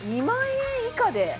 ２万円以下で！？